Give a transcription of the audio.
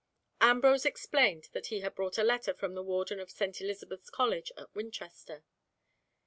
Ambrose explained that he had brought a letter from the Warden of St. Elizabeth's College at Winchester.